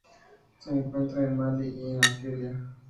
Se encuentra en Malí y en Argelia.